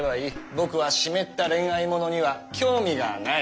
僕は湿った恋愛ものには興味がない。